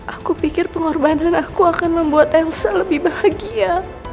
aku pikir pengorbanan aku akan membuat engsa lebih bahagia